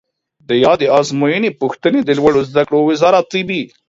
د یادې آزموینې پوښتنې د لوړو زده کړو وزارت طبي